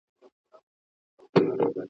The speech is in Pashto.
راته سور اور جوړ كړي تنور جوړ كړي